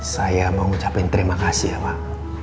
saya mau ngucapin terima kasih ya pak